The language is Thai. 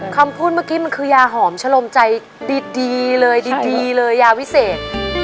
คำพูดเมื่อกี้มันคือยาหอมชะลมใจดีเลยดีเลยยาวิเศษ